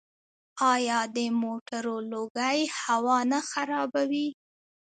آیا د موټرو لوګی هوا نه خرابوي؟